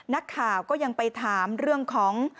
นักข่าวก็ยังไปถามเรื่องของ